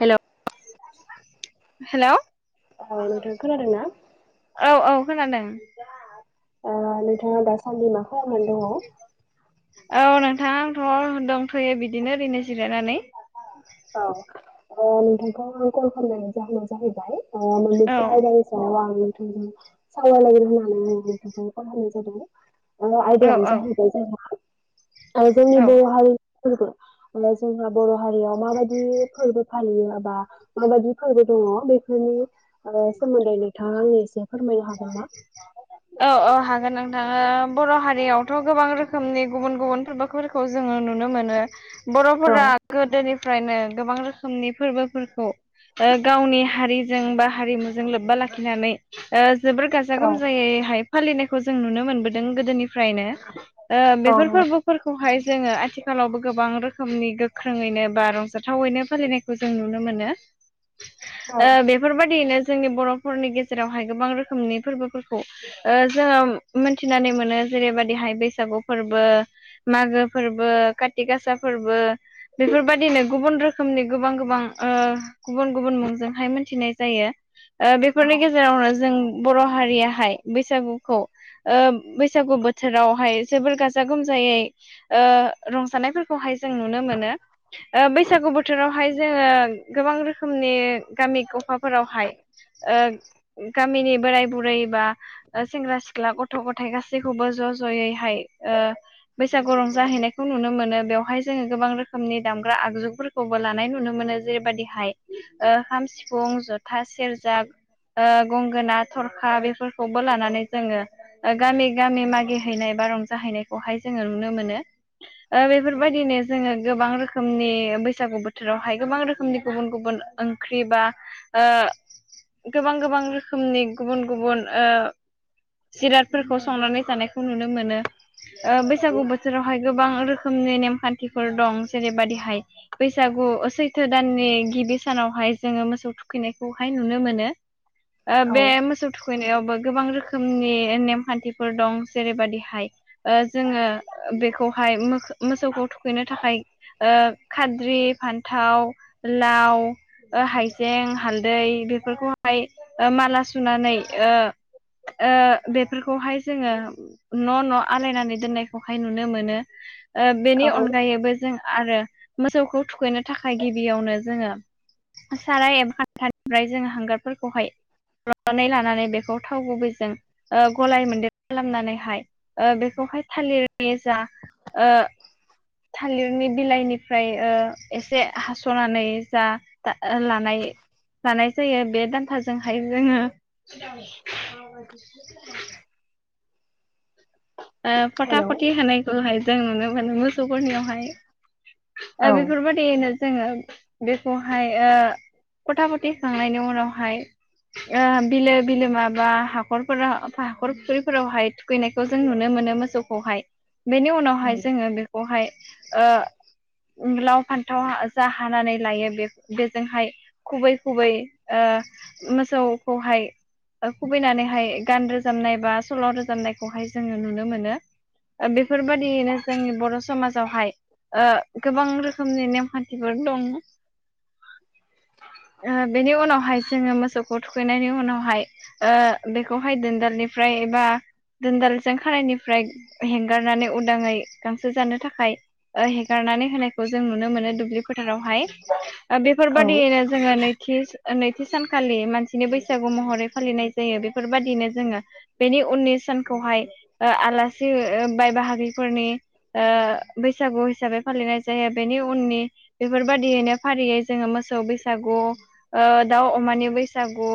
Hello hello औ नोंथां खोनादों ना? औ खोनादों ओ नोंथाङा दासान्दि मा खालामनानै दङ? औ नों थां आंथ' दंथ'यो बिदिनो ओरैनो जिरायनानै औ ओ नोंथांखौ आंङो कल खालामनायनि जाहोना जाहैबाय औ [inaudible] सावरायलायगोन होननानै आं नोंथांखौ कल खामनाय जादों। औ औ [unintelligible] जोंनि बे औ हारिनि फोरबो अब्ला जोंहा बर' हारिया माबायदि फोरबो फालियो बा माबायदि फोरबो दङ बेफोरनि आ सोमोन्दै नोंथां। औ औ हागोन आं दा बर' हारियावथ' गोबां रोखोमनि गुबुन गुबुन फोरबोफोरखौ जोङो नुनो मोनो। औ बर'फोरा गोदोनि नो गोबां रोखोमनि फोरबोफोरखौ गावनि हारिजों बा हारिमुजों लोब्बा लाखिनानै जोबोर गाजा औ गोमजायैहाय फालिनायखौ जों नुनो मोनबोदों गोदोनि नो औ बेफोर नंगौ फोरबोफोरखौहाय जोङो आथिखालावबो गोबां रोखोमनि गोख्रोङैनो बा रंजाथावैनो फालिनायखौ जों नुनो मोनो औ बेफोरबायदियैनो जोंनि बर'फोरनि गेजेरावहाय गोबां रोखोमनि फोरबोफोरखौ ओ जोंङो मोनथिनानै मोनो जेरै बादिहाय बैसागु फोरबो बो मागो फोरबो काति गासा फोरबो बेफोरबायादिनो गुबुन रोखोमनि गोबां गोबां ओ गुबुन गुबुन मुंजोंहाय मिथिनाय जायो बेफोरनि गेजेरावनो जों बर' हारियाहाय बैसागुखौ बैसागु बोथोरावहाय जोबोर गाजा गोमजायै ओ रंजानायफोरखौहाय जों नुनो मोनो बैसागु बोथोरावहाय जोङो गोबां रोखोमनि गामि अखाफोरावहाय गामिनि बोराय बुरै बा सेंग्रा सिख्ला गथ' गथायाइ गासैखौबो ज' ज'यैहाय बैसागु रं जाहैनायखौ नुनो मोनो बेवहाय जोङो गोबां रोखोमनि दामग्रा आगजुफोरखौबो लानाय नुनो मोनो जेरैबायाददिहाय खाम सिफुं जथा सेरजा गंगोना थरखा बेफोरखौबो लानानै जोङो गामि गामि मागिहैनाय बा जाहैनायखौहाय जोङो नुनो मोनो बेफोरबायदिनो जोङो गोबां रोखोमनि बैसागु बोथोरावहाय गोबां रोखोमनि गुबुन गुबुन ओंख्रि बा [inaudible] गोबां गोबां रोखोमनि गुबुन गुबुन जिरादफोरखौ संनानै जानायखौ नुनो मोनो बैसागु बोथोरावहाय गोबां रोखोम रोखोमनि नेमखान्थिफोर दं जेरैबायाददिहाय बैसागु सैथो दाननि गिबि सानावहाय जोंङो मोसौ थुखैनायखौहाय नुनो मोनो औ बे मोसौ थुखैनायावबो गोबां रोखोमनि नेमखान्थिफोर दं जेरैबाददिहाय जोङो बेखौहाय मोसौखौ थुखैनो थाखाय खाद्रि फान्थाव लाव हाइजें हालदै बेफोरखौहाय माला सुनानै ओ बेफोरखौहाय जोंङो न न आलायनानै दोननायखौहाय नुनो मोनो बेनि औ अनगायैबो जों आरो मोसौखौ थुखैनो थाखाय गिबियावनो जोङो साराय एक घन्टानिफ्राय जोङो हांगारफोरखौहाय लानानै बेखौ थाव गुबैजों गलाय मोनदेर खालामनानैहाय बेखौ बेाय थालिर जा थालिरनि बिलाइनिफ्राय ओक्षएसे हास'नानै जा लानाय जानाय जायो बे दान्थाजोंहाय जोङो ओ फथा हेल' फथि होनायखौहाय जों नुनो मोनो मोसौफोरनियावहाय औ बेफोरबायाददियैनो जोङो बेखौहाय खथा फथि खांनायनि उनावहाय ओ बिलो बिलो माबा हाखरफोराव हाखर फुखुरिफोरावहाय थुखैनायखौ जों नुनो मोनो मोसौखौहाय, बेनि उनावहाय जोंङो बेखौहाय ओ लाव, फान्थाव हा जा हानानै लायो। बे बेजोंहाय खुबै खुबै ओ ओ मोसौखौहाय ओ खुबैनानैहाय गान रोजाबनाय बा सल' रोजाबनायखौहाय जोंङो नुनो मोनो। ओ बेफोरबायदियैनो जोंनि बर' समाजावहाय, ओ गोबां रोखोमनि नेमखान्थिफोर दं। ओ बेनि उनावहाय जोङो मोसौखौ थुखैनायनि उनावहाय ओ बेखौहाय दोनदालनिफ्राय एबा दोनदाल जों खानायनिफ्राय हेंगारनानै उदाङै गांसो जानो थाखाय ओ हेगारनानै होनायखौ जों नुनो मोनो दुब्लि फो थारावहाय। ओ बेफोरबायाददियैनो जोङो नैथि नैथि सानखालि मानसि बिनि बैसागु महरै फालिनाय जायो। बेफोरबायदिनो जोंङो बेनि उननि सानखौहाय ओ आलासि ओ बाय बाहागिफोरनि ओ बैसागु हिसाबै फालिनाय जायो बे बेनि उननि बेफोरबायाददियैनो फारियै जोङो मोसौ बैसागु ओ दाउ अमानि बै बैसागु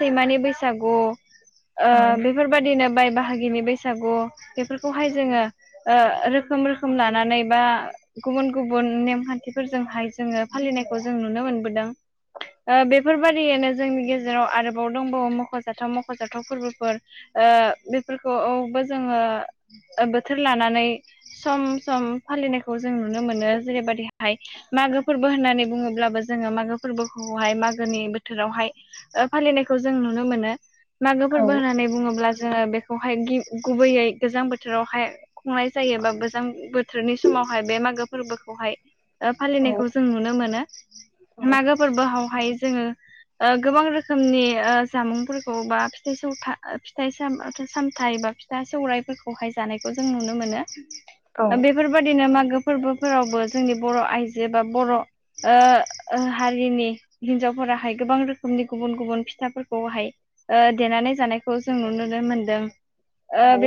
सैमानि बैसागु ओ बेफोरबायदिनो बाय बाहागिनि बैसागु बेफोरखौहाय जोङो ओ रोख रोखोम रोखोम लानानै बा गुबुन गुबुन नेमखान्थिफोरजोंहाय जोङो फालिनायखौ जों नुनो मोन मोनबोदों। ओ बेफोरबायदियैनो जोंनि गेजेराव आरोबाव दंबावो मख'जाथाव मख'जाथाव फोरबोफोर ओ बेफोरखौ औ बो जोङो बोथोर लानानै सम सम फालिनायखौ जों नुनो मोनो। जेरैबाददिहाय मागो फोरबो होननानै बुङोब्लाबो जोङो मागो फोरबोखौहाय मागोनि बोथोरावहाय ओ फालिनायखौ जों नुनो मोनो। मागो फोरबो होननानै बुङोब्ला जोंङो बेखौहाय गि गुबैयै गोजां बोथोरावहाय खुंनाय जायो। बा गोजां बोथोरनि समावहाय बे मागो फोरबोखौहाय ओ फालिनायखौ जों नुनो मोनो। मागो फोरबोआवहाय जोङो ओ गोबां रोखोमनि ओ जामुंफोरखौ बा फिथाइ सौथा फिथाय सामथ [unintelligible] फिथाइ ए बा फिथा सौरायफोरखौहाय जानायखौ जों नुनो मोनो। ओ बेफोरबायदिनो मागो फोरबोफोरावबो जोंनि बर' आइजो बा बर' ओ ओ हारिनि हिनजावफोराहाय गोबां रोखोमनि गुबुन गुबुन फिथाफोरखौहाय ओ देनानै जानायखौ जों नुुनो मोनदों।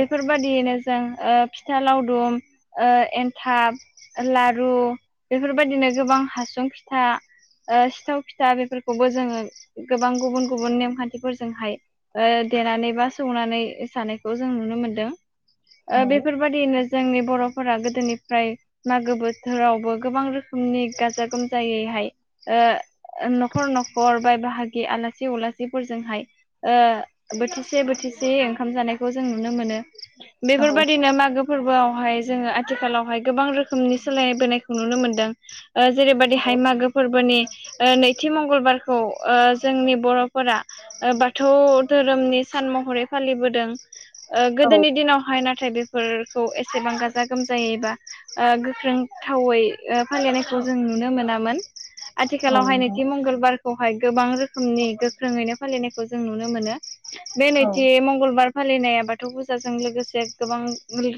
बेफोरबादियैनो जों ओ फिथा लावदुम ओ एन्थाब, लारु बेफोरबायदिनो गोबां हासं फिथा ओ सिथाव फिथा बेफोरखौबो जोंङो गोबां गुबुन गुबुन नेमखान्थिफोरजोंहाय ओ देनानै बा सौनानै सानायखौ जों नुनो मोनदों। ओ बेफोरबादिनो जोंनि बर'फोरा गोदोनिफ्राय मागो बोथोरावबो गोबां रोखोमनि गाजा गोमजायै हाय ओ नख'र नख'र बाय बाहागि आलासि उलासिफोरजोंहाय ओ ओ बोथिसे बोथिसे ओंखाम जानाय खौ जों नुनो मोनो। बेफोरबायदिनो मागो फोरबोआव हाय जोङो आथिखालावहाय गोबां रोखोमनि सोलाय बोनायखौ नुनो मोनदों। ओ जेरैबायदिहाय मागो फोरबोनि ओ नैथि मंगलबारखौ ओ जोंनि बर'फोरा ओ बाथौ धोरोमनि सा सान महरै फालिबोदों। ओ गोदोनि दिनावहाय नाथाय बेफोरखौ एसेबां गाजा गोमजायैबा ओ गोख्रों थावै ओ फालिनायखौ जों नुनो मोनामोन। आथिखालावहायनोखि मंगलबार खौहाय गोबां रोखोमनि गोख्रोङैनो फालिनायखौ जों नुनो मोनो। बे औ नैथि मंगलबार फालिनाया बाथौ फुजाजों लोगोसे गोबां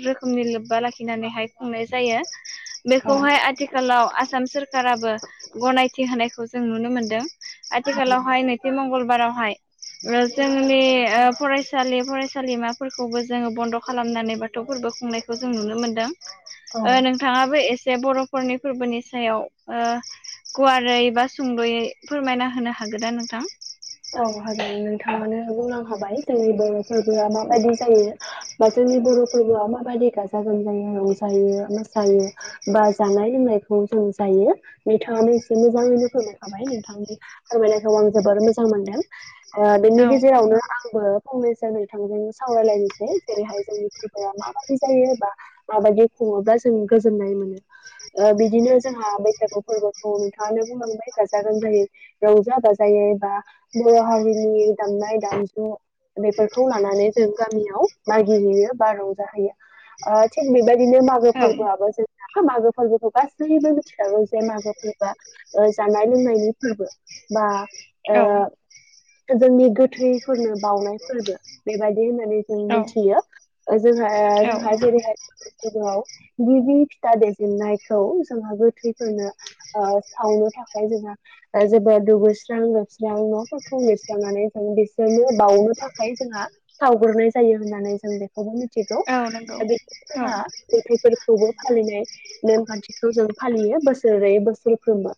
रोखोमनि लोब्बा लाखिनानैहाय खुंनाय जायो। अ, बेखौहाय आथिखालाव आसाम सोरखाराबो गनायथि होनायखौ जों नुनो मोनदों। औ, आथिखालावहाय नैथि मंगलबारावहाय ओ जोंनि ओ फरायसालि फरायसा सालिमाफोरखौबो जोङो बन्द' खालामनानै बाथौ फोरबो खुंनायखौ जों नुनो मोनदों। औ, ओ नोंथाङाबो एसे बर'फोरनि फोरबोनि सायाव गुवारै बा सुंद'यै फोरमायना होनो हागोन दा नोंथां औ हागोन नोंथाङानो बुंलां खाबाय जोंनि बर फोरबोआ माबायदि जायो बा जोंनि बर' फोरबोआव माबायदि गाजा गोमजायै रंजायो मोसायो बा जानाय लोंनायखौ जों जायो बिथाङानो एसे मोजाङैनो फोरमायखाबाय नोंथांनि फोरमायनायखौ आं जोबोर मोजां मोनदों बिनि औ गेजेरावनो आंबो फंनैसो नोंथां सावरायलायनोसै जेरैहाय जोंनि फोरबोआ माबायदि जायो माबायदि नङाब्ला जों गोजोन्नाय मोनो ओ बिदिनो जोंहा बैसागु फोरबोखौ नोंथाङानो बुंलांबाय गाजा गोमजायै रंजा बाजायै बा बर' हारिनि दामनाय दामजु बेफोरखौ लानानै जों गामियाव मागि हैैयो बा रंजाहैयो थिग बेबायदिनो मागो औ फोरबोआबो जों [unintelligible] मागो फोरबोखौ जों गासैबो मानसियाबो जे मागो फोरबोआ जानाय लोंनायनि फोरबो बा ओ जोंनि गो थैफोरनो बावउनाय फोरबो बेबायदि होननानै जों औ मिथियो जोंहा औ जोंहा जेरैहाय दङ गिबि फिथा देजेननायखौ जोंहा गोथैफोरनो सावनो थाखाय जोंहा जोबोद दुगैस्रां लोबसां स्रां न'फोरखौ लिरस्रांनानै जों बिसोरनो बानो थाखाय जोंहा सावग्रनाय जायो होननानै जों बेखौबो मिथिगौ नंगौ बे औ जोंहा मथायफोरखौबो फालिनाय नेमखान्थिखौ जों फालियो बोसोरै बोसोरफ्रोमबो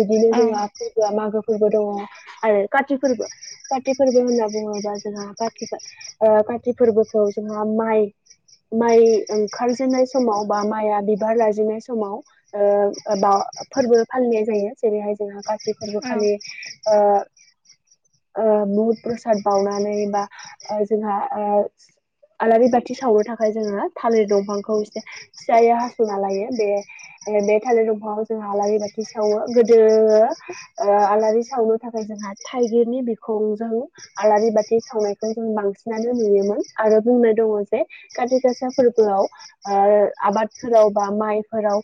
बिदिनो औ जों फोरबोआ मागो फोरबो दङ आरो काति फोरबो काति फोरबो होनना बुङोबा जोंहा ओ काति फोरबोखौ जोंहा माइ माइ ओंखारजेननाय समाव बा माइआ बिबार लाजेननाय समाव बा फोरबो फालिनाय जायो जेरैहाय जोंहा काति फोरबो औ खालि ओ बुहुद प्रसाद बावनानै बा जोंहा ओ आलारि बाथि सावनो थाखाय जोङो थालिर दंफांखौ एसे फिसायै हास'ना लायो बे बे थालिर दंफांआव जोंहा आलारि बाथि सावो गोदो आलारि सावनो थाखाय जोंहा थाइगिरनि बिखंजों आलारि बाथि सावनायखौ जों बांसिनानो नुयो आरो बुंनाय दङ जे खाथि गासा फोरबोआव आबादफोराव बा माइ फोराव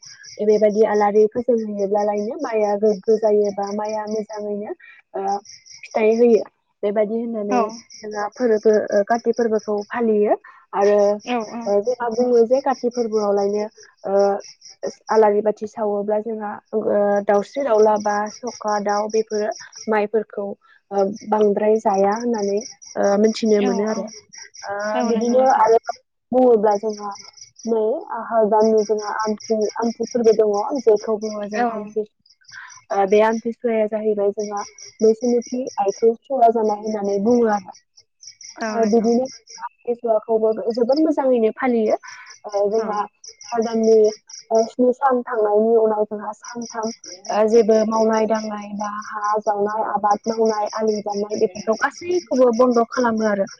बेबायदि आलारि फोजोंहैयोब्लानो माया गोग्गो जायोबा माया मोजाङैनो फिथाइ होयो बेबायदि होननानै जो फोरबो काति फोरबोखौ फालियो आरो औ जोंहा बुङो जे काति फोरबोआवलायनो आलारि बाथि सावोब्ला जोंहा दाउस्रि दाउला बा सखा दाउ बे बेफोर माइफोरखौ बांद्राय जाया होननानै मिथिनो औ मोनो आरो आ औ नंगौ बिदिनो नोंथां आरो [unintelligible] जोंहा नै आ दाननि जोंहा आमथि आमथि फोरबो दङ जेखौ बुङोबो जों औ आमथि बे आमथि सुवाया जाहैबाय जोंहा बैसुमुथि आइखौ सुवा जानाय होननानै बुङो आरो औ नंगौ सुवाखौबो जोबोद मोजाङैनो फालियो औ जोंहा हादाननि स्नि सान थांनायनि उनाव जोंहा सानथाम जेबो मावनाय दांनाय एबा हा जावनाय आबाद मावनाय आलि दाननाय बेफोरखौ गासैखौबो बन्द' खालामो आरो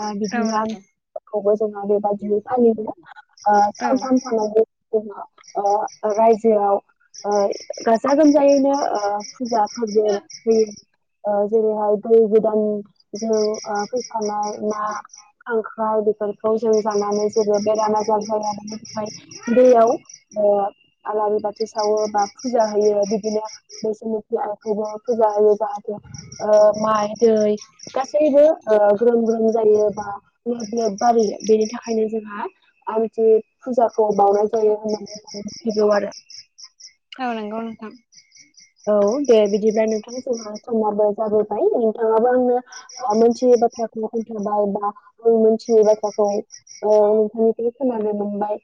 आ औ बिदिना नंगौ खौबो जोङो बेबादियै फालिब्ला औ सानथाम थानाय जोङो रायजोआव ओ गाजा गोमजायैनो ओ फुजा फोरबो बिदि जेरैहाय दै गोदान जों फैफानाय ना खांख्राय बेफोरखौ जों जानानै जेबो बेराम आजार जायनिफ्राय दैयाव आलारि बाथि सावो बा फुजा होयो बिदिनो बिखौबो फुजा होयो जाहाथे माइ दै गासैबो ग्रोम ग्रोम जायो बा लोब लोब बारयो बेनि थाखायनो जोंहा आरदि फुजाखौ बाव मोनथिगौ आरो औ नंगौ नोंथां औ दे बिदिब्ला नोंथां जोंहा समाबो जाबोबाय नोंथाङाबो आंनो मोनसे खोनथाबाय बा मोनथिनाय बाथ्राखौ नोंथांनिफ्राय खोनानो मोनबाय।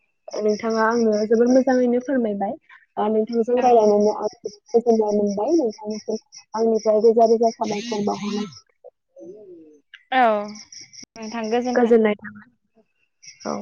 नोंथाङा आंनो जोबोर मोजाङैनो फोरमायबाय नोंथांजों औ रायज्लायनानै आं ओ गोजोननाय मोनबाय नोंथांसिम आंनिफ्राय रोजा रोजा साबायखर बावहरनाय औ नोंथां गोजोन्थों गोजोननाय थाबाय। औ